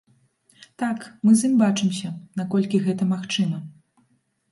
Так, мы з ім бачымся, наколькі гэта магчыма.